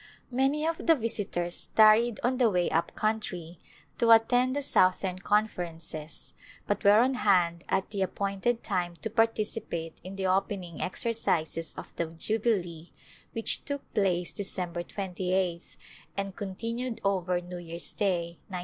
Many of the visitors tarried on the way up country to attend the Southern Conferences but were on hand at the appointed time to participate in the opening ex ercises of the Jubilee which took place December 28th and continued over New Year's Day, 1907.